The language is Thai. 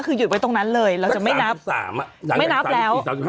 คือหยุดไว้ตรงนั้นเลยเราจะไม่นับสามอ่ะไม่นับแล้วหลังจากสามสิบสี่สามสิบห้า